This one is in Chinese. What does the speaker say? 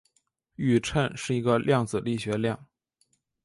宇称是一个量子力学量。